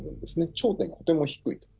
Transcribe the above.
頂点がとても低いと。